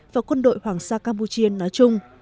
và quân đội hoàng gia campuchia nói chung